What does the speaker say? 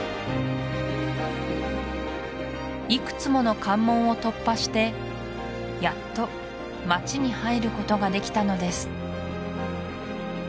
いくつもの関門を突破してやっと街に入ることができたのです